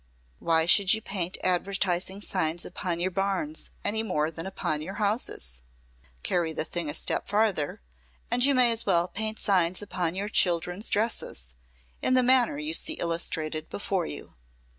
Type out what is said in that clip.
Why should you paint advertising signs upon your barns any more than upon your houses? Carry the thing a step farther, and you may as well paint signs upon your children's dresses, in the manner you see illustrated before you."